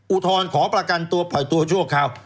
อุทธรณ์ขอประกันตัวปล่อยตัวชั่วคราว